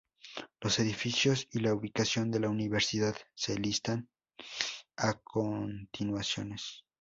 Los edificios y ubicación de la universidad se listan a continuaciones.